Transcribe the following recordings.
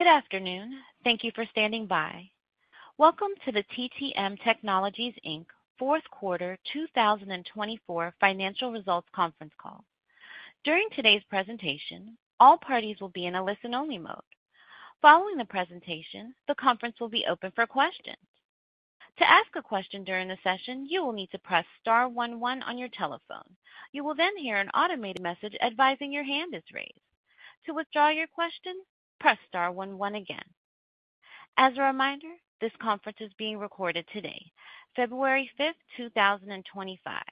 Good afternoon. Thank you for standing by. Welcome to the TTM Technologies, Inc Q4 2024 Financial Results Conference Call. During today's presentation, all parties will be in a listen-only mode. Following the presentation, the conference will be open for questions. To ask a question during the session, you will need to press star one one on your telephone. You will then hear an automated message advising your hand is raised. To withdraw your question, press star one one again. As a reminder, this conference is being recorded today, 5th February 2025.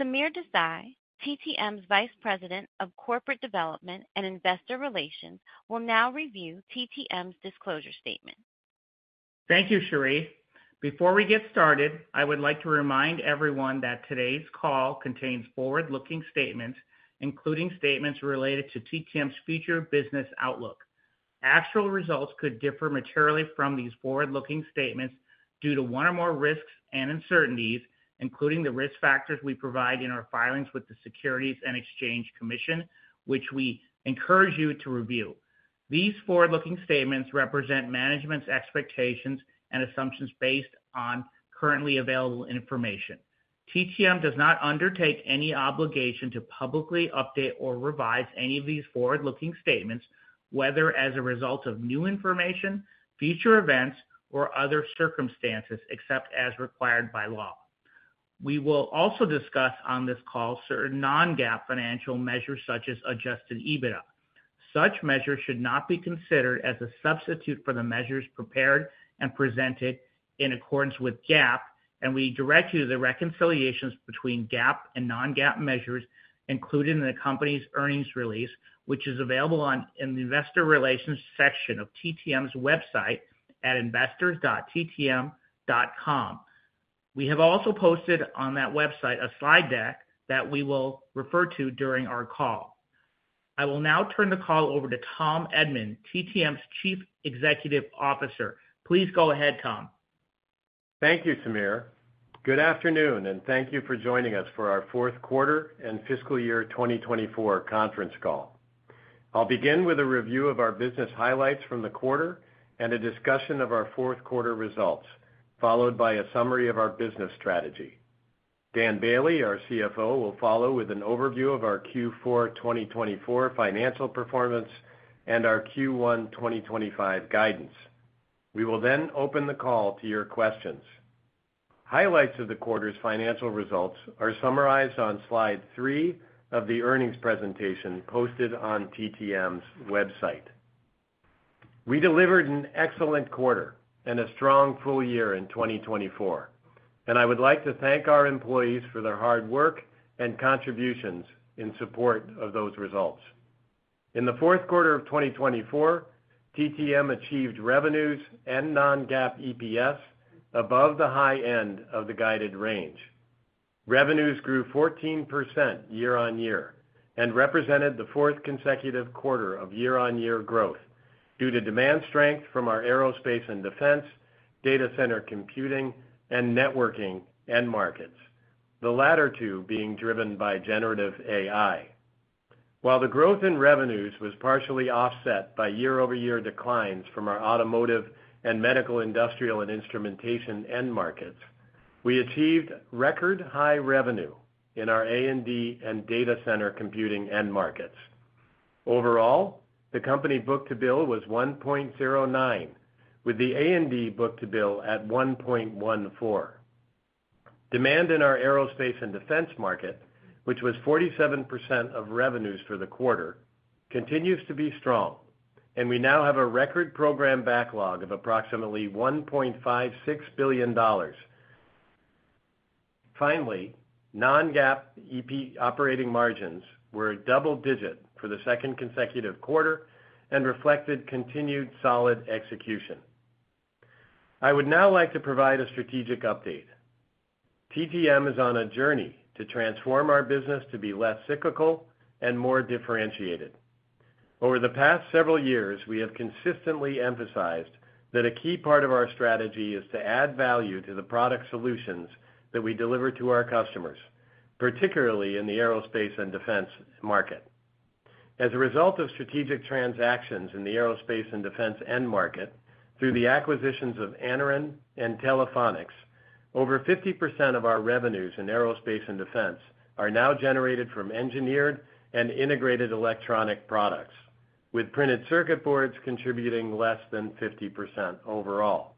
Sameer Desai, TTM's Vice President of Corporate Development and Investor Relations, will now review TTM's disclosure statement. Thank you, Cherie. Before we get started, I would like to remind everyone that today's call contains forward-looking statements, including statements related to TTM's future business outlook. Actual results could differ materially from these forward-looking statements due to one or more risks and uncertainties, including the risk factors we provide in our filings with the Securities and Exchange Commission, which we encourage you to review. These forward-looking statements represent management's expectations and assumptions based on currently available information. TTM does not undertake any obligation to publicly update or revise any of these forward-looking statements, whether as a result of new information, future events, or other circumstances, except as required by law. We will also discuss on this call certain non-GAAP financial measures such as adjusted EBITDA. Such measures should not be considered as a substitute for the measures prepared and presented in accordance with GAAP, and we direct you to the reconciliations between GAAP and non-GAAP measures included in the company's earnings release, which is available in the Investor Relations section of TTM's website at investors.ttm.com.We have also posted on that website a slide deck that we will refer to during our call. I will now turn the call over to Tom Edman, TTM's Chief Executive Officer. Please go ahead, Tom. Thank you, Sameer. Good afternoon, and thank you for joining us for our Q4 and Fiscal Year 2024 Conference Call. I'll begin with a review of our business highlights from the quarter and a discussion of our Q4 results, followed by a summary of our business strategy. Dan Boehle, our CFO, will follow with an overview of our Q4 2024 financial performance and our Q1 2025 guidance. We will then open the call to your questions. Highlights of the quarter's financial results are summarized on slide three of the earnings presentation posted on TTM's website. We delivered an excellent quarter and a strong full year in 2024, and I would like to thank our employees for their hard work and contributions in support of those results. In the Q4 of 2024, TTM achieved revenues and non-GAAP EPS above the high end of the guided range. Revenues grew 14% year-on-year and represented the fourth consecutive quarter of year-on-year growth due to demand strength from our aerospace and defense, data center computing, and networking end markets, the latter two being driven by generative AI. While the growth in revenues was partially offset by year-over-year declines from our automotive, medical, industrial, and instrumentation end markets, we achieved record high revenue in our A&D and data center computing end markets. Overall, the company book-to-bill was $1.09, with the A&D book-to-bill at $1.14. Demand in our aerospace and defense market, which was 47% of revenues for the quarter, continues to be strong, and we now have a record program backlog of approximately $1.56 billion. Finally, non-GAAP operating margins were double-digit for the second consecutive quarter and reflected continued solid execution. I would now like to provide a strategic update. TTM is on a journey to transform our business to be less cyclical and more differentiated. Over the past several years, we have consistently emphasized that a key part of our strategy is to add value to the product solutions that we deliver to our customers, particularly in the aerospace and defense market. As a result of strategic transactions in the aerospace and defense end market through the acquisitions of Anaren and Telephonics, over 50% of our revenues in aerospace and defense are now generated from engineered and integrated electronic products, with printed circuit boards contributing less than 50% overall.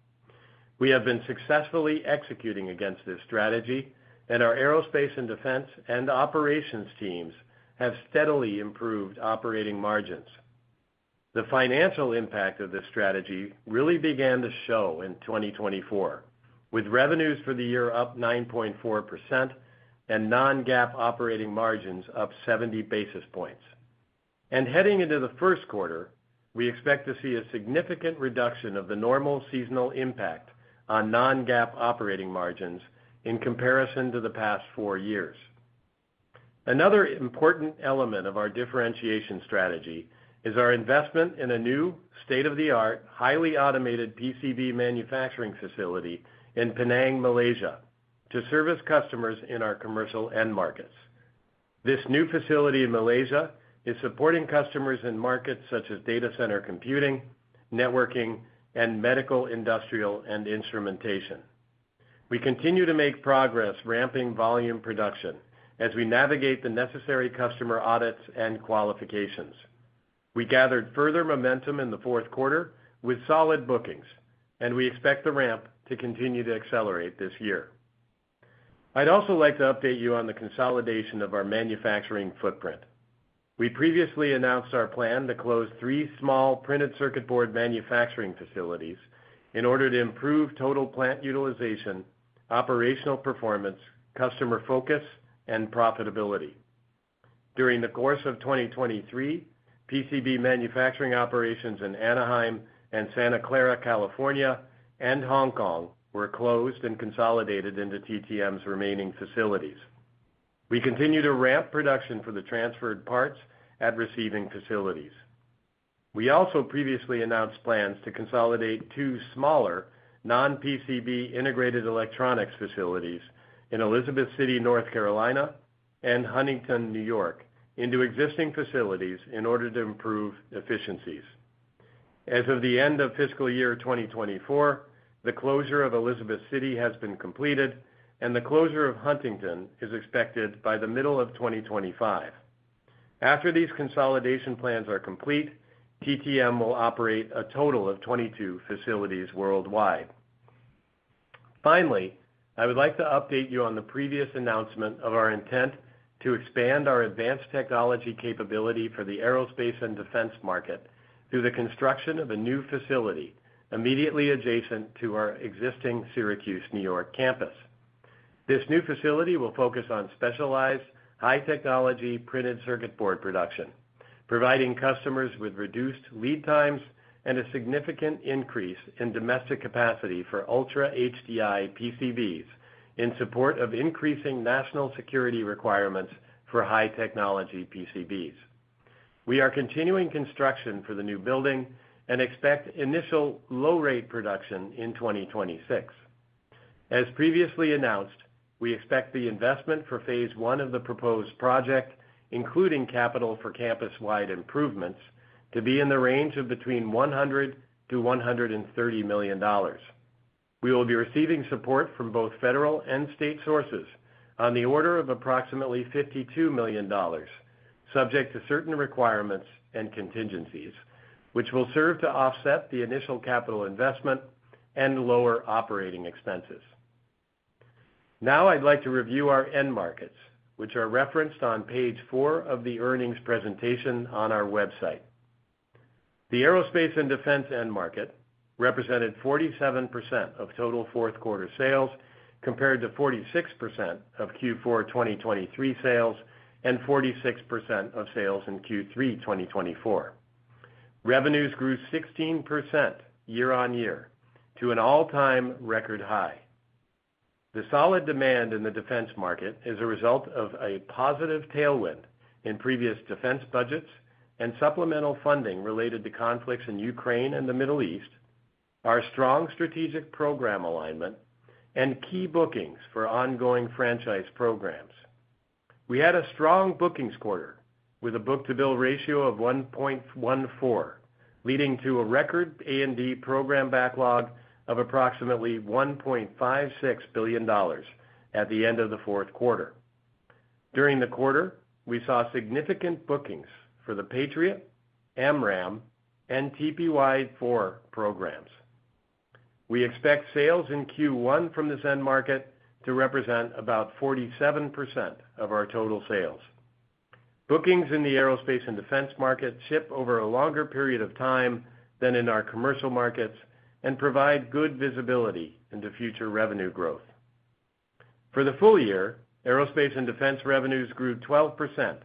We have been successfully executing against this strategy, and our aerospace and defense and operations teams have steadily improved operating margins. The financial impact of this strategy really began to show in 2024, with revenues for the year up 9.4% and non-GAAP operating margins up 70 basis points. Heading into the Q1 we expect to see a significant reduction of the normal seasonal impact on Non-GAAP operating margins in comparison to the past four years. Another important element of our differentiation strategy is our investment in a new state-of-the-art, highly automated PCB manufacturing facility in Penang, Malaysia, to service customers in our commercial end markets. This new facility in Malaysia is supporting customers in markets such as data center computing, networking, and medical industrial and instrumentation. We continue to make progress, ramping volume production as we navigate the necessary customer audits and qualifications. We gathered further momentum in the Q4 with solid bookings, and we expect the ramp to continue to accelerate this year. I'd also like to update you on the consolidation of our manufacturing footprint. We previously announced our plan to close three small printed circuit board manufacturing facilities in order to improve total plant utilization, operational performance, customer focus, and profitability. During the course of 2023, PCB manufacturing operations in Anaheim and Santa Clara, California, and Hong Kong were closed and consolidated into TTM's remaining facilities. We continue to ramp production for the transferred parts at receiving facilities. We also previously announced plans to consolidate two smaller non-PCB integrated electronics facilities in Elizabeth City, North Carolina, and Huntington, New York, into existing facilities in order to improve efficiencies. As of the end of fiscal year 2024, the closure of Elizabeth City has been completed, and the closure of Huntington is expected by the middle of 2025. After these consolidation plans are complete, TTM will operate a total of 22 facilities worldwide. Finally, I would like to update you on the previous announcement of our intent to expand our advanced technology capability for the aerospace and defense market through the construction of a new facility immediately adjacent to our existing Syracuse, New York, campus. This new facility will focus on specialized high-technology printed circuit board production, providing customers with reduced lead times and a significant increase in domestic capacity for Ultra HDI PCBs in support of increasing national security requirements for high-technology PCBs. We are continuing construction for the new building and expect initial low-rate production in 2026. As previously announced, we expect the investment for phase one of the proposed project, including capital for campus-wide improvements, to be in the range of between $100 to 130 million. We will be receiving support from both federal and state sources on the order of approximately $52 million, subject to certain requirements and contingencies, which will serve to offset the initial capital investment and lower operating expenses. Now, I'd like to review our end markets, which are referenced on page four of the earnings presentation on our website. The aerospace and defense end market represented 47% of total Q4 sales, compared to 46% of Q4 2023 sales and 46% of sales in Q3 2024. Revenues grew 16% year-on-year to an all-time record high. The solid demand in the defense market is a result of a positive tailwind in previous defense budgets and supplemental funding related to conflicts in Ukraine and the Middle East, our strong strategic program alignment, and key bookings for ongoing franchise programs. We had a strong bookings quarter with a book-to-bill ratio of 1.14, leading to a record A&D program backlog of approximately $1.56 billion at the end of the Q4. During the quarter, we saw significant bookings for the Patriot, AMRAAM, and AN/TPY-4 programs. We expect sales in Q1 from this end market to represent about 47% of our total sales. Bookings in the aerospace and defense market ship over a longer period of time than in our commercial markets and provide good visibility into future revenue growth. For the full year, aerospace and defense revenues grew 12%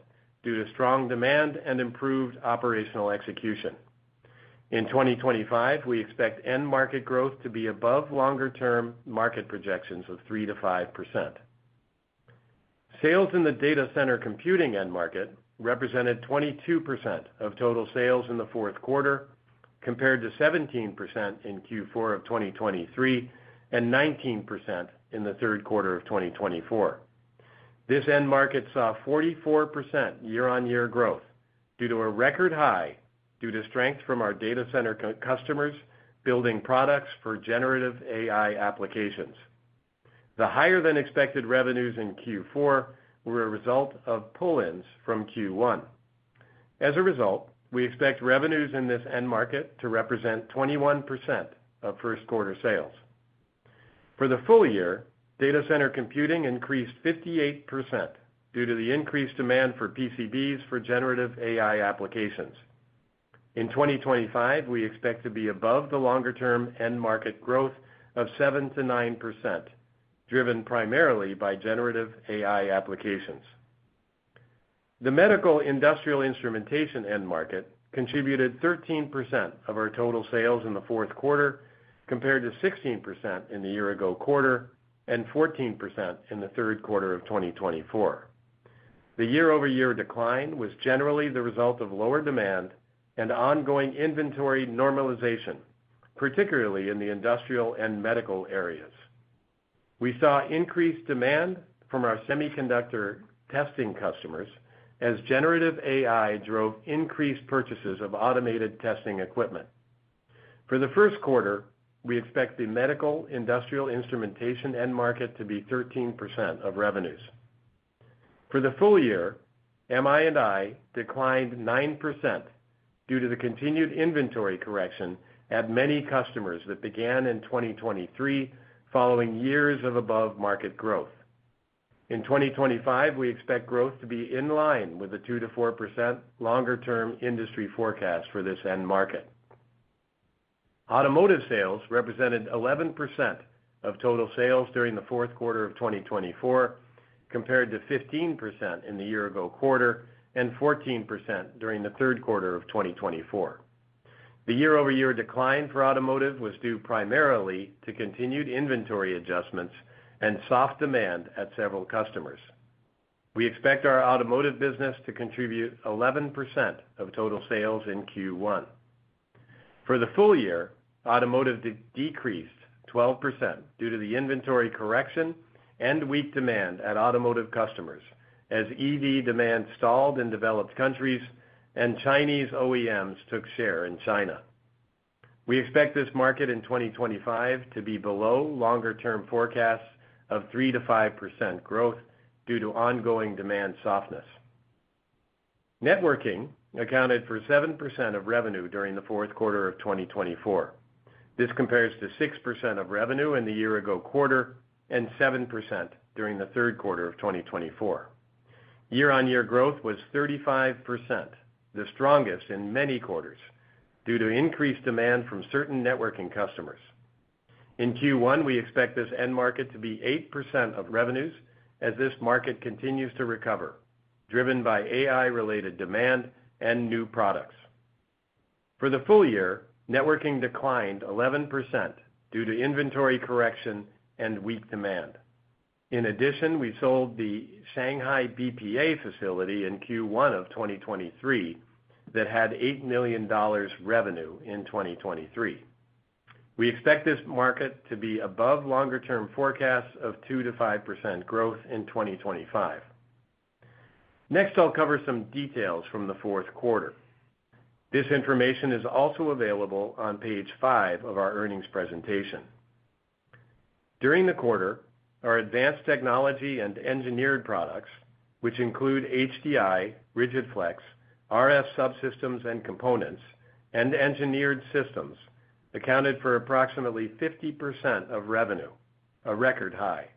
due to strong demand and improved operational execution. In 2025, we expect end market growth to be above longer-term market projections of 3% to 5%. Sales in the data center computing end market represented 22% of total sales in the Q4, compared to 17% in Q4 of 2023 and 19% in the Q3 of 2024. This end market saw 44% year-on-year growth due to a record high, due to strength from our data center customers building products for generative AI applications. The higher-than-expected revenues in Q4 were a result of pull-ins from Q1. As a result, we expect revenues in this end market to represent 21% of Q to sales. For the full year, data center computing increased 58% due to the increased demand for PCBs for generative AI applications. In 2025, we expect to be above the longer-term end market growth of 7% to 9%, driven primarily by generative AI applications. The medical industrial instrumentation end market contributed 13% of our total sales in the Q4, compared to 16% in the year-ago quarter and 14% in the Q3 of 2024. The year-over-year decline was generally the result of lower demand and ongoing inventory normalization, particularly in the industrial and medical areas. We saw increased demand from our semiconductor testing customers as generative AI drove increased purchases of automated testing equipment. For the Q1, we expect the medical industrial instrumentation end market to be 13% of revenues. For the full year, MI&I declined 9% due to the continued inventory correction at many customers that began in 2023, following years of above-market growth. In 2025, we expect growth to be in line with the 2% to 4% longer-term industry forecast for this end market. Automotive sales represented 11% of total sales during the Q4 of 2024, compared to 15% in the year-ago quarter and 14% during the Q3 of 2024. The year-over-year decline for automotive was due primarily to continued inventory adjustments and soft demand at several customers. We expect our automotive business to contribute 11% of total sales in Q1. For the full year, automotive decreased 12% due to the inventory correction and weak demand at automotive customers as EV demand stalled in developed countries and Chinese OEMs took share in China. We expect this market in 2025 to be below longer-term forecasts of 3% to 5% growth due to ongoing demand softness. Networking accounted for 7% of revenue during the Q4 of 2024. This compares to 6% of revenue in the year-ago quarter and 7% during the Q3 of 2024. Year-on-year growth was 35%, the strongest in many quarters due to increased demand from certain networking customers. In Q1, we expect this end market to be 8% of revenues as this market continues to recover, driven by AI-related demand and new products. For the full year, networking declined 11% due to inventory correction and weak demand. In addition, we sold the Shanghai BPA facility in Q1 of 2023 that had $8 million revenue in 2023. We expect this market to be above longer-term forecasts of 2% to 5% growth in 2025. Next, I'll cover some details from the Q4 This information is also available on page five of our earnings presentation. During the quarter, our advanced technology and engineered products, which include HDI, Rigid-Flex, RF subsystems and components, and engineered systems, accounted for approximately 50% of revenue, a record high.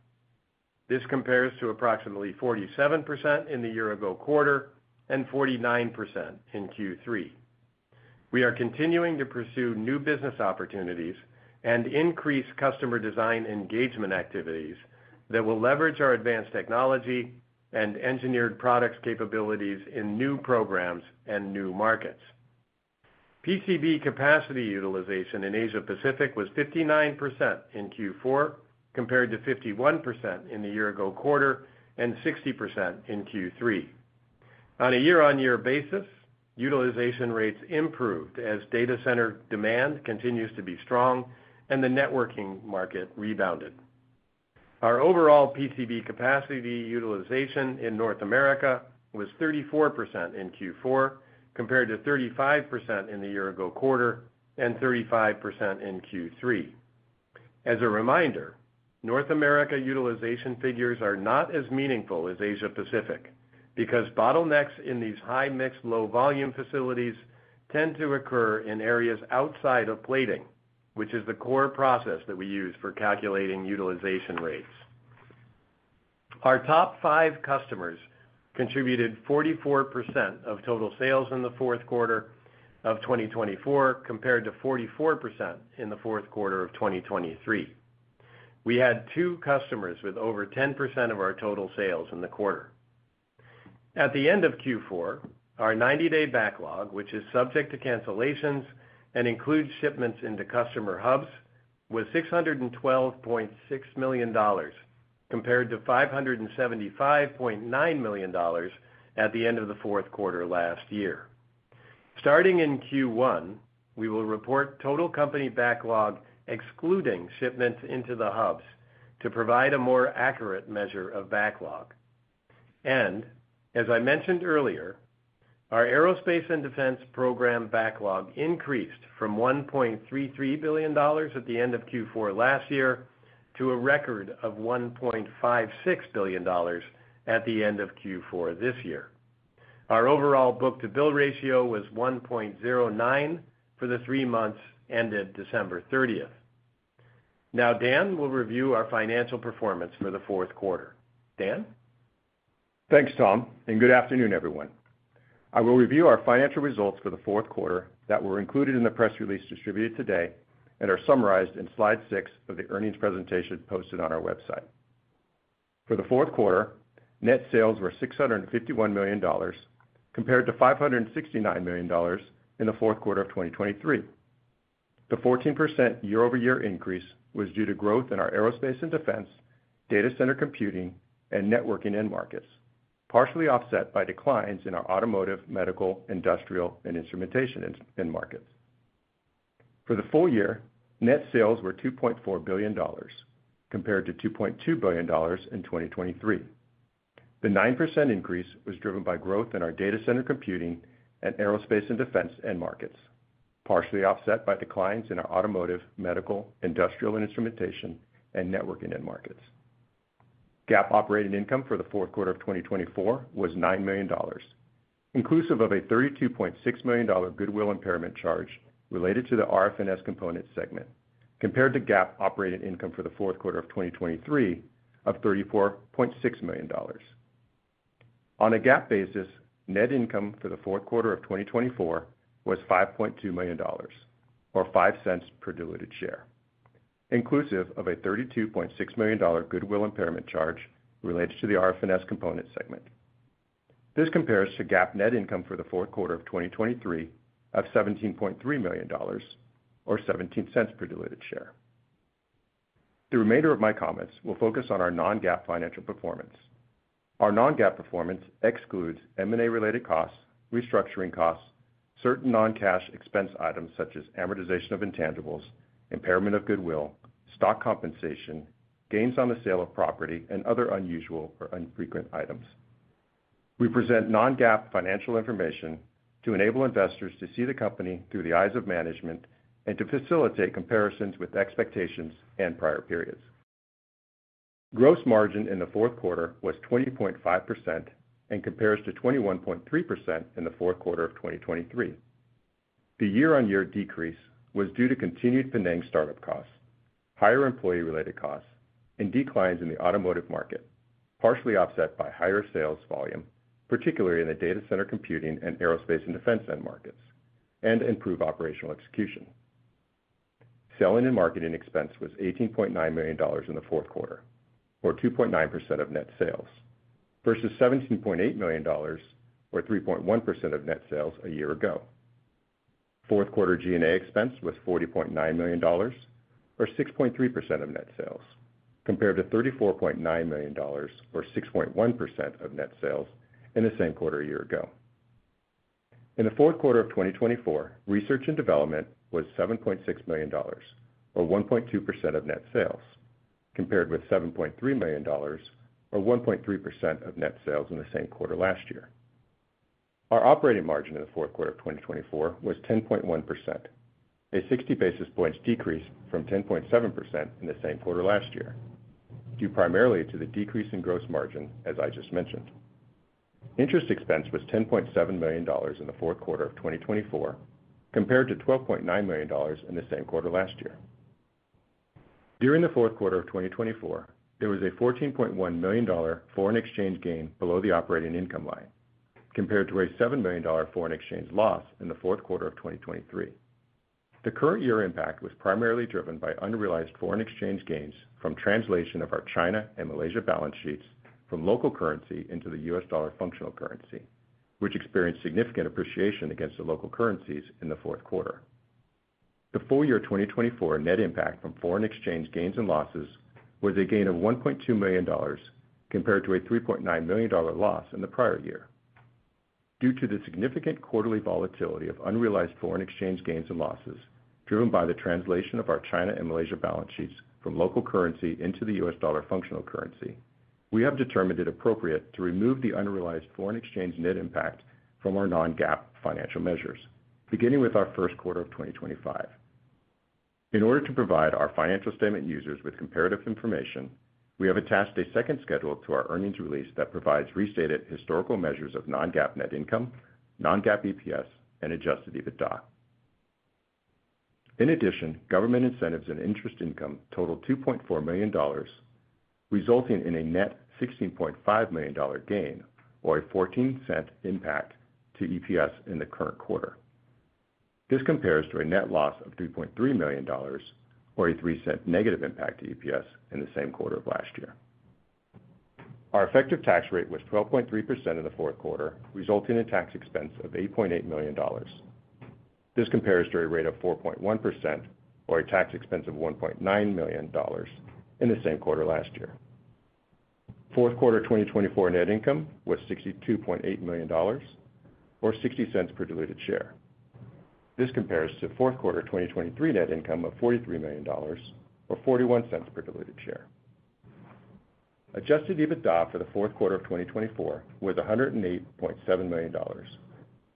This compares to approximately 47% in the year-ago quarter and 49% in Q3. We are continuing to pursue new business opportunities and increase customer design engagement activities that will leverage our advanced technology and engineered products capabilities in new programs and new markets. PCB capacity utilization in Asia-Pacific was 59% in Q4, compared to 51% in the year-ago quarter and 60% in Q3. On a year-on-year basis, utilization rates improved as data center demand continues to be strong and the networking market rebounded. Our overall PCB capacity utilization in North America was 34% in Q4, compared to 35% in the year-ago quarter and 35% in Q3. As a reminder, North America utilization figures are not as meaningful as Asia-Pacific because bottlenecks in these high-mix low-volume facilities tend to occur in areas outside of plating, which is the core process that we use for calculating utilization rates. Our top five customers contributed 44% of total sales in the Q4 of 2024, compared to 44% in the Q4 of 2023. We had two customers with over 10% of our total sales in the quarter. At the end of Q4, our 90-day backlog, which is subject to cancellations and includes shipments into customer hubs, was $612.6 million, compared to $575.9 million at the end of the Q4 last year. Starting in Q1, we will report total company backlog, excluding shipments into the hubs, to provide a more accurate measure of backlog, and as I mentioned earlier, our aerospace and defense program backlog increased from $1.33 billion at the end of Q4 last year to a record of $1.56 billion at the end of Q4 this year. Our overall book-to-bill ratio was 1.09 for the three months ended 30th December. Now, Dan will review our financial performance for the Q4. Dan? Thanks, Tom, and good afternoon, everyone. I will review our financial results for the Q4 that were included in the press release distributed today and are summarized in slide six of the earnings presentation posted on our website. For the Q4, net sales were $651 million, compared to $569 million in the Q4 of 2023. The 14% year-over-year increase was due to growth in our aerospace and defense, data center computing, and networking end markets, partially offset by declines in our automotive, medical, industrial, and instrumentation end markets. For the full year, net sales were $2.4 billion, compared to $2.2 billion in 2023. The 9% increase was driven by growth in our data center computing and aerospace and defense end markets, partially offset by declines in our automotive, medical, industrial, and instrumentation, and networking end markets. GAAP operating income for the Q4 of 2024 was $9 million, inclusive of a $32.6 million goodwill impairment charge related to the RF&S component segment, compared to GAAP operating income for the Q4 of 2023 of $34.6 million. On a GAAP basis, net income for the Q4 of 2024 was $5.2 million, or $0.05 per diluted share, inclusive of a $32.6 million goodwill impairment charge related to the RF&S component segment. This compares to GAAP net income for the Q4 of 2023 of $17.3 million, or $0.17 per diluted share. The remainder of my comments will focus on our non-GAAP financial performance. Our non-GAAP performance excludes M&A-related costs, restructuring costs, certain non-cash expense items such as amortization of intangibles, impairment of goodwill, stock compensation, gains on the sale of property, and other unusual or infrequent items. We present non-GAAP financial information to enable investors to see the company through the eyes of management and to facilitate comparisons with expectations and prior periods. Gross margin in the Q4 was 20.5% and compares to 21.3% in the Q4 of 2023. The year-on-year decrease was due to continued facility startup costs, higher employee-related costs, and declines in the automotive market, partially offset by higher sales volume, particularly in the data center computing and aerospace and defense end markets, and improved operational execution. Selling and marketing expense was $18.9 million in the Q4, or 2.9% of net sales, versus $17.8 million, or 3.1% of net sales a year ago. Q4 G&A expense was $40.9 million, or 6.3% of net sales, compared to $34.9 million, or 6.1% of net sales in the same quarter a year ago. In the Q4 of 2024, research and development was $7.6 million, or 1.2% of net sales, compared with $7.3 million, or 1.3% of net sales in the same quarter last year. Our operating margin in the Q4 of 2024 was 10.1%, a 60 basis points decrease from 10.7% in the same quarter last year, due primarily to the decrease in gross margin, as I just mentioned. Interest expense was $10.7 million in the Q4 of 2024, compared to $12.9 million in the same quarter last year. During the Q4 of 2024, there was a $14.1 million foreign exchange gain below the operating income line, compared to a $7 million foreign exchange loss in the Q4 of 2023. The current year impact was primarily driven by unrealized foreign exchange gains from translation of our China and Malaysia balance sheets from local currency into the US dollar functional currency, which experienced significant appreciation against the local currencies in the Q4 The full year 2024 net impact from foreign exchange gains and losses was a gain of $1.2 million, compared to a $3.9 million loss in the prior year. Due to the significant quarterly volatility of unrealized foreign exchange gains and losses driven by the translation of our China and Malaysia balance sheets from local currency into the US dollar functional currency, we have determined it appropriate to remove the unrealized foreign exchange net impact from our non-GAAP financial measures, beginning with our Q1 of 2025. In order to provide our financial statement users with comparative information, we have attached a second schedule to our earnings release that provides restated historical measures of non-GAAP net income, non-GAAP EPS, and adjusted EBITDA. In addition, government incentives and interest income total $2.4 million, resulting in a net $16.5 million gain, or a $0.14 impact to EPS in the current quarter. This compares to a net loss of $3.3 million, or a $0.03 negative impact to EPS in the same quarter of last year. Our effective tax rate was 12.3% in the Q4, resulting in tax expense of $8.8 million. This compares to a rate of 4.1%, or a tax expense of $1.9 million in the same quarter last year. Q4 2024 net income was $62.8 million, or $0.60 per diluted share. This compares to Q4 2023 net income of $43 million, or $0.41 per diluted share. Adjusted EBITDA for the Q4 of 2024 was $108.7 million,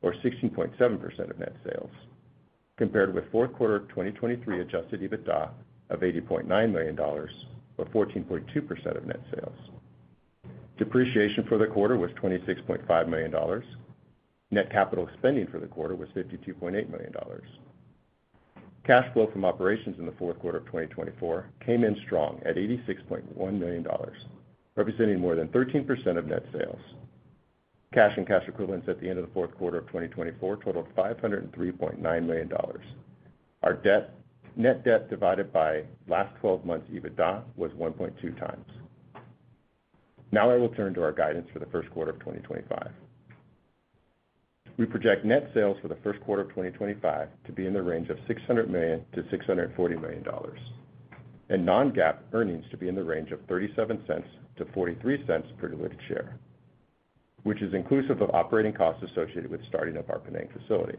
or 16.7% of net sales, compared with Q4 2023 adjusted EBITDA of $80.9 million, or 14.2% of net sales. Depreciation for the quarter was $26.5 million. Net capital expenditures for the quarter was $52.8 million. Cash flow from operations in the Q4 of 2024 came in strong at $86.1 million, representing more than 13% of net sales. Cash and cash equivalents at the end of the Q4 of 2024 totaled $503.9 million. Our net debt divided by last 12 months' EBITDA was 1.2x. Now I will turn to our guidance for the Q1 of 2025. We project net sales for the Q1 of 2025 to be in the range of $600 to 640 million, and non-GAAP earnings to be in the range of $0.37 to 0.43 per diluted share, which is inclusive of operating costs associated with starting up our Penang facility.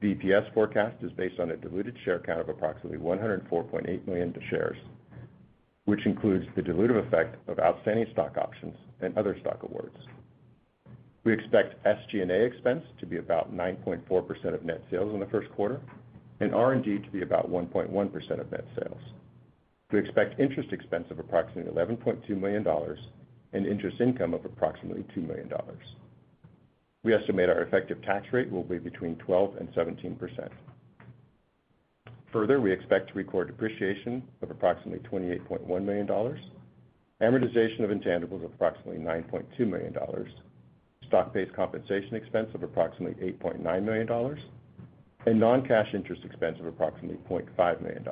The EPS forecast is based on a diluted share count of approximately $104.8 million shares, which includes the dilutive effect of outstanding stock options and other stock awards. We expect SG&A expense to be about 9.4% of net sales in the Q1, and R&D to be about 1.1% of net sales. We expect interest expense of approximately $11.2 million and interest income of approximately $2 million. We estimate our effective tax rate will be between 12% and 17%. Further, we expect Q3 depreciation of approximately $28.1 million, amortization of intangibles of approximately $9.2 million, stock-based compensation expense of approximately $8.9 million, and non-cash interest expense of approximately $0.5 million.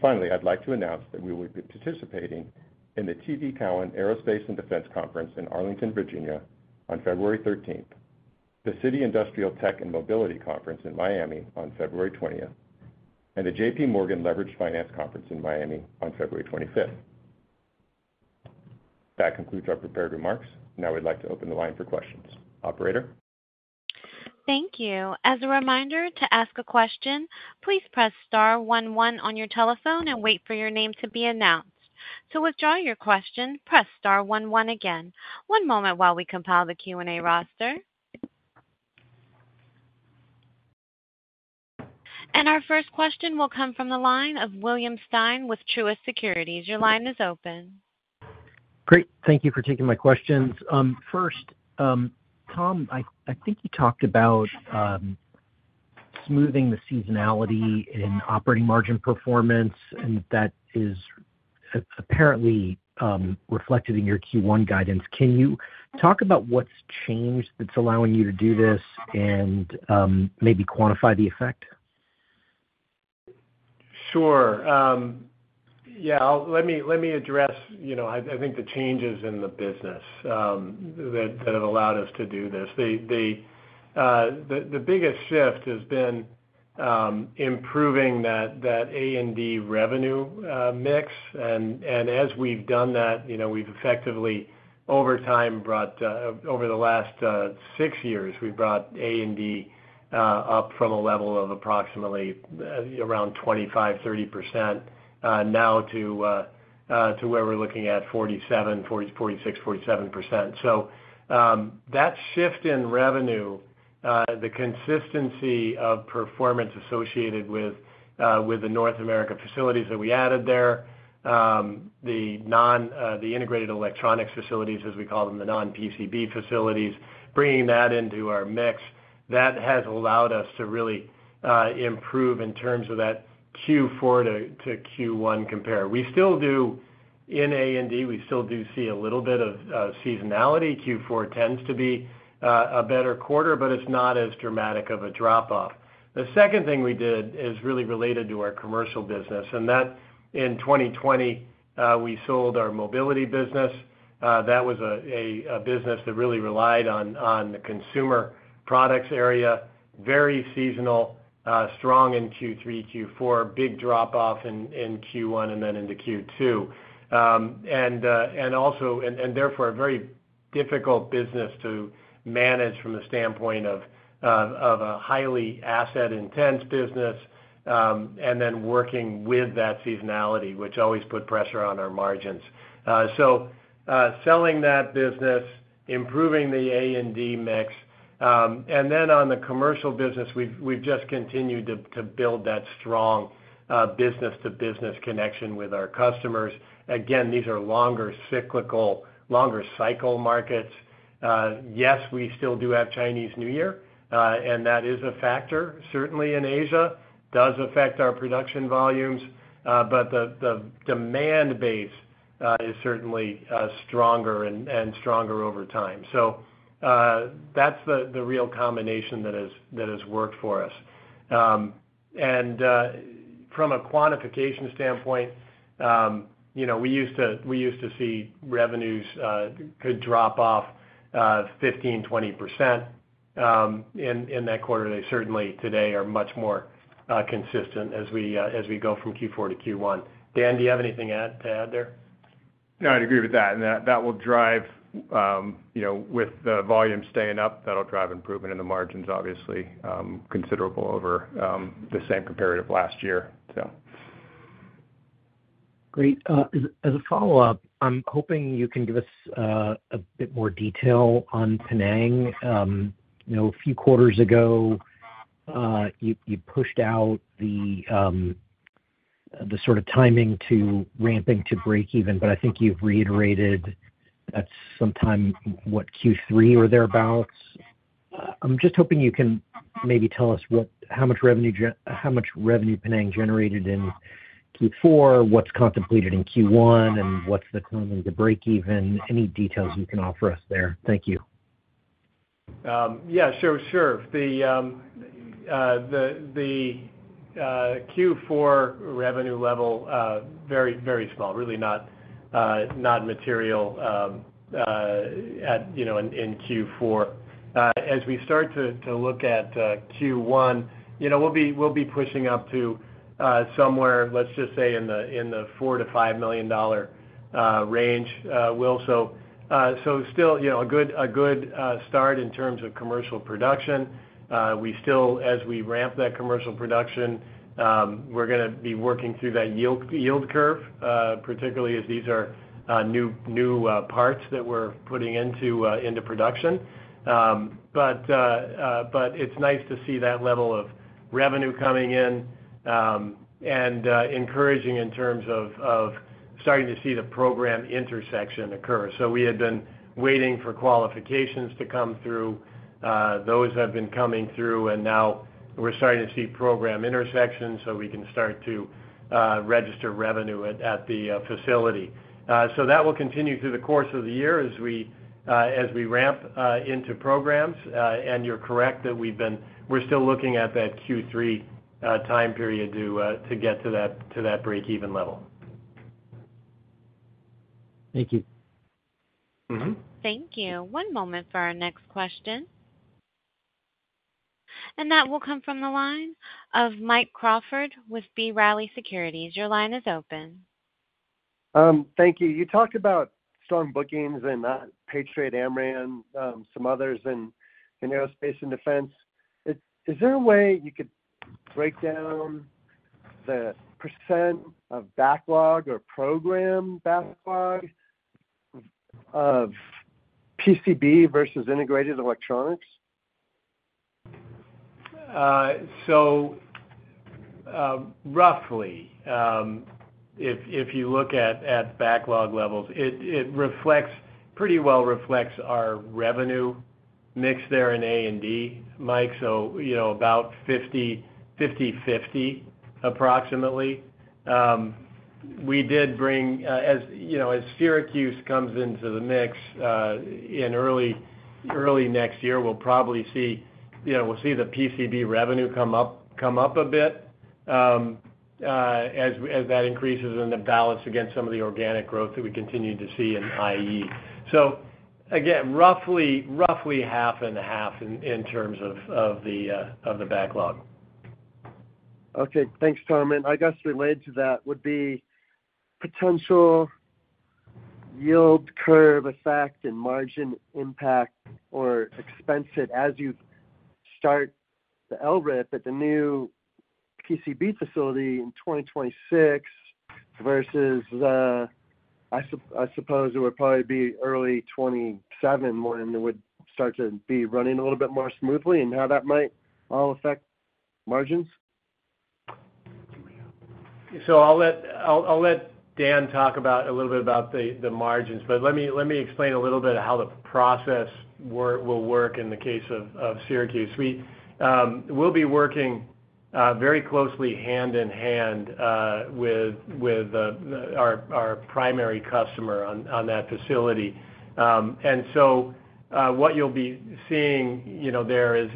Finally, I'd like to announce that we will be participating in the TD Cowen Aerospace and Defense Conference in Arlington, Virginia, on 13th February, the Citi Industrial Tech and Mobility Conference in Miami on 20th February, and the JPMorgan Leveraged Finance Conference in Miami on 25th February. That concludes our prepared remarks. Now we'd like to open the line for questions. Operator? Thank you. As a reminder, to ask a question, please press star one one on your telephone and wait for your name to be announced. To withdraw your question, press star one one again. One moment while we compile the Q&A roster. And our first question will come from the line of William Stein with Truist Securities.Your line is open. Great. Thank you for taking my questions. First, Tom, I think you talked about smoothing the seasonality and operating margin performance, and that is apparently reflected in your Q1 guidance. Can you talk about what's changed that's allowing you to do this and maybe quantify the effect? Sure. Yeah. Let me address, I think, the changes in the business that have allowed us to do this. The biggest shift has been improving that A&D revenue mix. And as we've done that, we've effectively, over the last six years, we've brought A&D up from a level of approximately around 25% to 30% now to where we're looking at 47%, 46%, 47%. So that shift in revenue, the consistency of performance associated with the North America facilities that we added there, the integrated electronics facilities, as we call them, the non-PCB facilities, bringing that into our mix, that has allowed us to really improve in terms of that Q4 to Q1 compare. We still do, in A&D, we still do see a little bit of seasonality. Q4 tends to be a better quarter, but it's not as dramatic of a drop-off. The second thing we did is really related to our commercial business. And that, in 2020, we sold our mobility business. That was a business that really relied on the consumer products area, very seasonal, strong in Q3, Q4, big drop-off in Q1 and then into Q2. And therefore, a very difficult business to manage from the standpoint of a highly asset-intense business, and then working with that seasonality, which always put pressure on our margins. So selling that business, improving the A&D mix, and then on the commercial business, we've just continued to build that strong business-to-business connection with our customers. Again, these are longer cycle markets. Yes, we still do have Chinese New Year, and that is a factor, certainly in Asia. It does affect our production volumes, but the demand base is certainly stronger and stronger over time. So that's the real combination that has worked for us. And from a quantification standpoint, we used to see revenues could drop off 15% to 20% in that quarter. They certainly today are much more consistent as we go from Q4 to Q1. Dan, do you have anything to add there? No, I'd agree with that. And that will drive, with the volume staying up, that'll drive improvement in the margins, obviously, considerable over the same comparative last year, so. Great. As a follow-up, I'm hoping you can give us a bit more detail on Anaren. A few quarters ago, you pushed out the sort of timing to ramping to break even, but I think you've reiterated that's sometime in Q3 or thereabouts. I'm just hoping you can maybe tell us how much revenue Anaren generated in Q4, what's contemplated in Q1, and what's the timing to break even. Any details you can offer us there? Thank you. Yeah. Sure. Sure. The Q4 revenue level, very, very small, really not material in Q4. As we start to look at Q1, we'll be pushing up to somewhere, let's just say, in the $4 million to 5 million range. We'll see a good start in terms of commercial production. As we ramp that commercial production, we're going to be working through that yield curve, particularly as these are new parts that we're putting into production. But it's nice to see that level of revenue coming in and encouraging in terms of starting to see the program intersection occur. So we had been waiting for qualifications to come through. Those have been coming through, and now we're starting to see program intersection so we can start to register revenue at the facility. So that will continue through the course of the year as we ramp into programs. And you're correct that we're still looking at that Q3 time period to get to that break-even level. Thank you. Thank you. One moment for our next question, and that will come from the line of Mike Crawford with B. Riley Securities. Your line is open. Thank you. You talked about strong bookings and Patriot AMRAAM, some others in aerospace and defense. Is there a way you could break down the percent of backlog or program backlog of PCB versus integrated electronics? So roughly, if you look at backlog levels, it pretty well reflects our revenue mix there in A&D, Mike. So about 50/50, approximately. We did bring, as Syracuse comes into the mix in early next year, we'll probably see the PCB revenue come up a bit as that increases in the balance against some of the organic growth that we continue to see in IE. So again, roughly half and a half in terms of the backlog. Okay. Thanks, Tom. And I guess related to that would be potential yield curve effect and margin impact or expense hit as you start the LRIP at the new PCB facility in 2026 versus, I suppose, it would probably be early 2027 when it would start to be running a little bit more smoothly and how that might all affect margins? So I'll let Dan talk a little bit about the margins, but let me explain a little bit how the process will work in the case of Syracuse. We'll be working very closely hand in hand with our primary customer on that facility. And so what you'll be seeing there is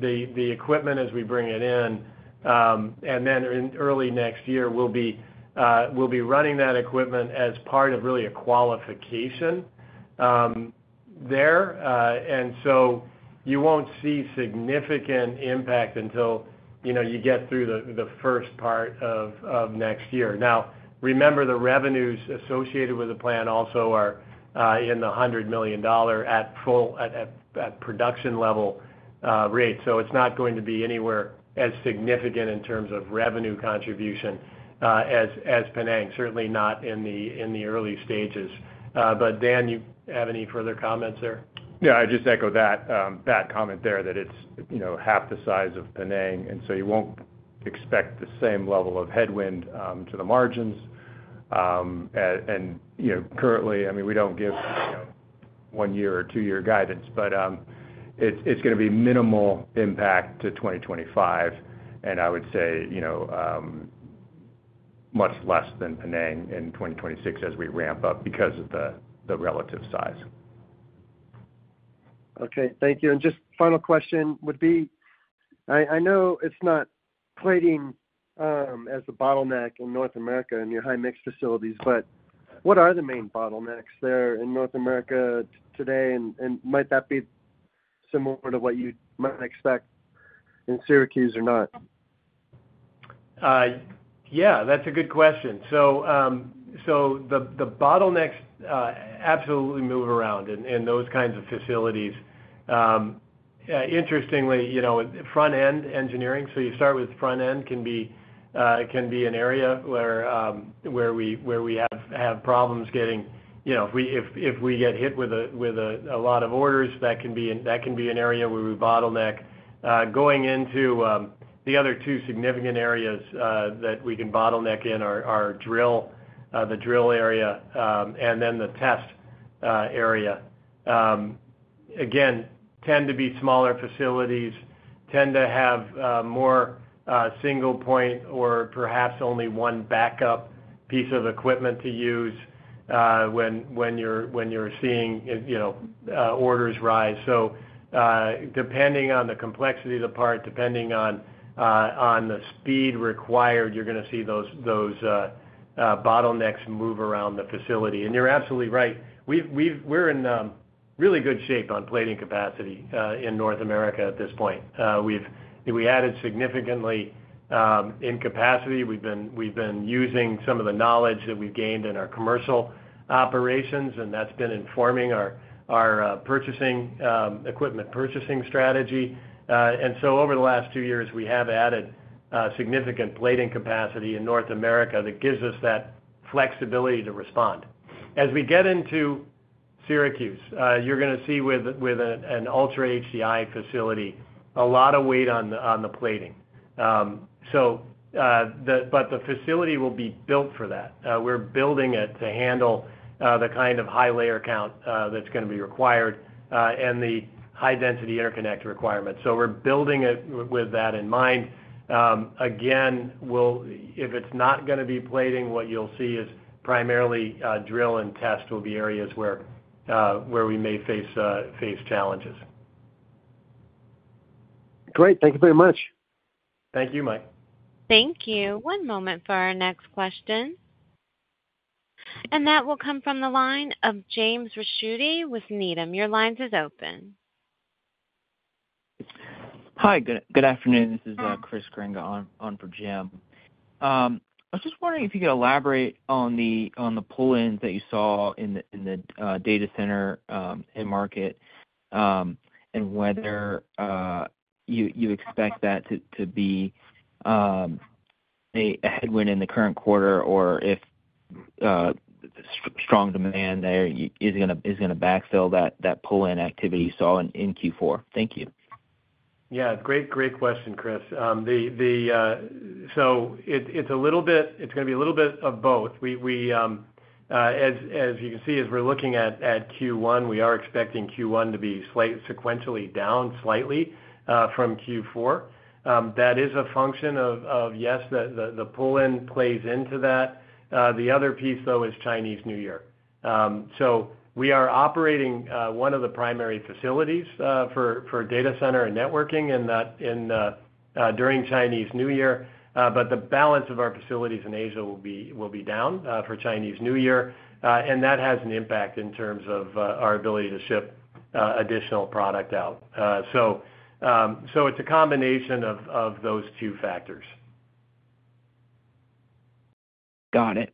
the equipment as we bring it in. And then in early next year, we'll be running that equipment as part of really a qualification there. And so you won't see significant impact until you get through the first part of next year. Now, remember, the revenues associated with the plan also are in the $100 million at production level rate. So it's not going to be anywhere as significant in terms of revenue contribution as Anaren, certainly not in the early stages. But Dan, do you have any further comments there? Yeah. I'd just echo that comment there that it's half the size of Anaren, and so you won't expect the same level of headwind to the margins. And currently, I mean, we don't give one-year or two-year guidance, but it's going to be minimal impact to 2025. And I would say much less than Anaren in 2026 as we ramp up because of the relative size. Okay. Thank you. And just final question would be. I know it's not plating as the bottleneck in North America in your high-mix facilities, but what are the main bottlenecks there in North America today? And might that be similar to what you might expect in Syracuse or not? Yeah. That's a good question. So the bottlenecks absolutely move around in those kinds of facilities. Interestingly, front-end engineering, so you start with front-end, can be an area where we have problems getting if we get hit with a lot of orders, that can be an area where we bottleneck. Going into the other two significant areas that we can bottleneck in are the drill area and then the test area. Again, tend to be smaller facilities, tend to have more single-point or perhaps only one backup piece of equipment to use when you're seeing orders rise. Depending on the complexity of the part, depending on the speed required, you're going to see those bottlenecks move around the facility. You're absolutely right. We're in really good shape on plating capacity in North America at this point. We added significantly in capacity. We've been using some of the knowledge that we've gained in our commercial operations, and that's been informing our equipment purchasing strategy. Over the last two years, we have added significant plating capacity in North America that gives us that flexibility to respond. As we get into Syracuse, you're going to see with an Ultra-HDI facility, a lot of weight on the plating. The facility will be built for that. We're building it to handle the kind of high layer count that's going to be required and the high-density interconnect requirements. We're building it with that in mind. Again, if it's not going to be plating, what you'll see is primarily drill and test will be areas where we may face challenges. Great. Thank you very much. Thank you, Mike. Thank you. One moment for our next question, and that will come from the line of Jim Ricchiuti with Needham. Your line is open. Hi. Good afternoon. This is Chris Grenga on for Jim. I was just wondering if you could elaborate on the pull-ins that you saw in the data center and market and whether you expect that to be a headwind in the current quarter or if strong demand there is going to backfill that pull-in activity you saw in Q4. Thank you. Yeah. Great question, Chris. So it's going to be a little bit of both. As you can see, as we're looking at Q1, we are expecting Q1 to be sequentially down slightly from Q4. That is a function of, yes, the pull-in plays into that. The other piece, though, is Chinese New Year. So we are operating one of the primary facilities for data center and networking during Chinese New Year, but the balance of our facilities in Asia will be down for Chinese New Year. And that has an impact in terms of our ability to ship additional product out. So it's a combination of those two factors. Got it.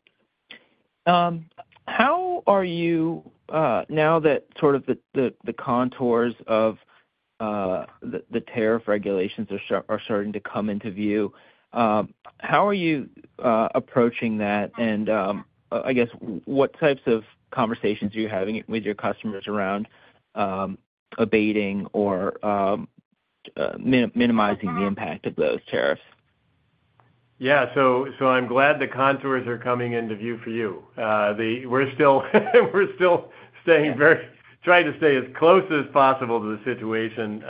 How are you, now that sort of the contours of the tariff regulations are starting to come into view, how are you approaching that? And I guess, what types of conversations are you having with your customers around abating or minimizing the impact of those tariffs? Yeah. I'm glad the contours are coming into view for you. We're still trying to stay as close as possible to the situation.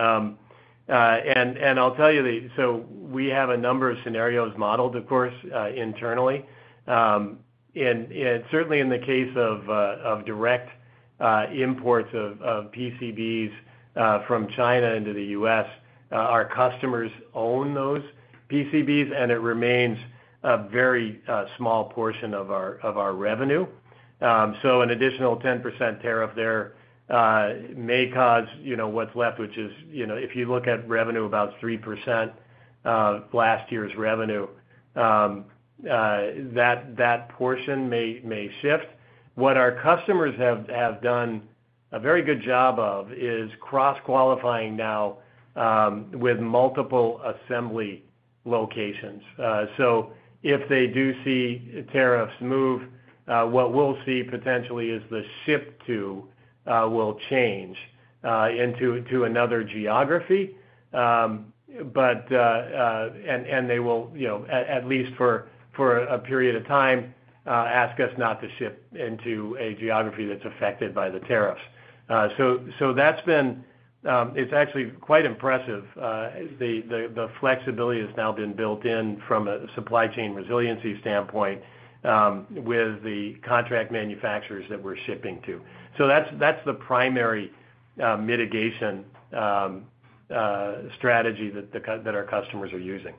I'll tell you, so we have a number of scenarios modeled, of course, internally. Certainly in the case of direct imports of PCBs from China into the US, our customers own those PCBs, and it remains a very small portion of our revenue. An additional 10% tariff there may cause what's left, which is if you look at revenue, about 3% of last year's revenue, that portion may shift. What our customers have done a very good job of is cross-qualifying now with multiple assembly locations. If they do see tariffs move, what we'll see potentially is the ship to will change into another geography. They will, at least for a period of time, ask us not to ship into a geography that's affected by the tariffs. So it's actually quite impressive. The flexibility has now been built in from a supply chain resiliency standpoint with the contract manufacturers that we're shipping to. So that's the primary mitigation strategy that our customers are using.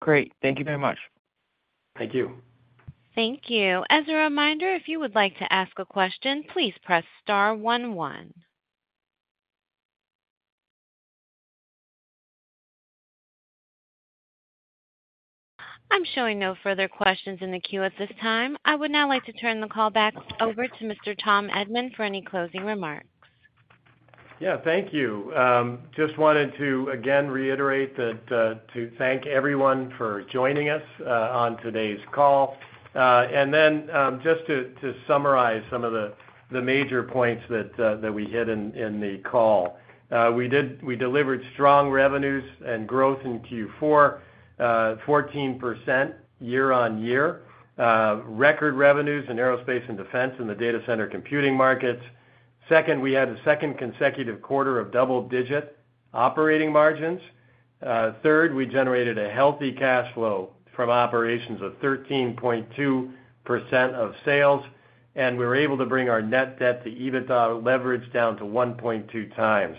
Great. Thank you very much. Thank you. Thank you. As a reminder, if you would like to ask a question, please press star one one. I'm showing no further questions in the queue at this time. I would now like to turn the call back over to Mr. Tom Edman for any closing remarks. Yeah. Thank you. Just wanted to, again, reiterate to thank everyone for joining us on today's call. Then just to summarize some of the major points that we hit in the call, we delivered strong revenues and growth in Q4, 14% year-on-year, record revenues in aerospace and defense in the data center computing markets. Second, we had a second consecutive quarter of double-digit operating margins. Third, we generated a healthy cash flow from operations of 13.2% of sales, and we were able to bring our net debt to EBITDA leverage down to 1.2x.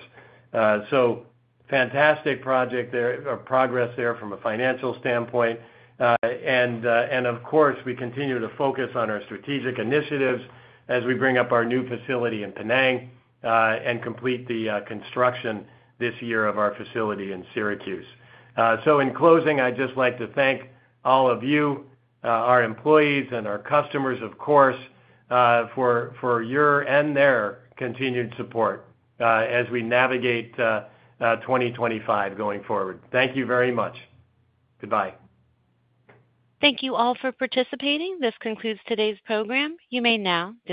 Fantastic progress there from a financial standpoint. Of course, we continue to focus on our strategic initiatives as we bring up our new facility in Penang and complete the construction this year of our facility in Syracuse. In closing, I would just like to thank all of you, our employees, and our customers, of course, for your and their continued support as we navigate 2025 going forward. Thank you very much. Goodbye. Thank you all for participating. This concludes today's program. You may now.